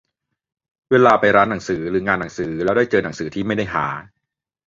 เวลาไปร้านหนังสือหรืองานหนังสือแล้วได้เจอหนังสือที่ไม่ได้หา